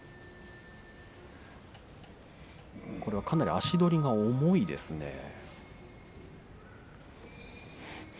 かなり足取りが重いですね。